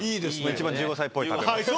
一番１５歳っぽい食べ物。